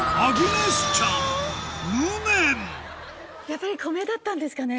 やっぱり。